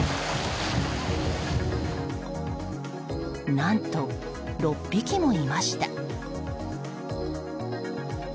何と、６匹もいました。